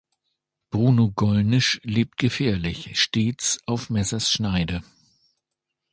Bruno Gollnisch lebt gefährlich, stets auf Messers Schneide.